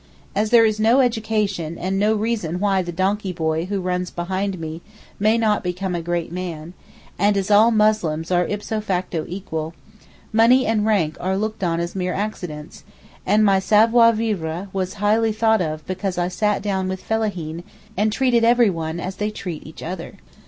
As there is no education and no reason why the donkey boy who runs behind me may not become a great man, and as all Muslims are ipso facto equal; money and rank are looked on as mere accidents, and my savoir vivre was highly thought of because I sat down with Fellaheen and treated everyone as they treat each other.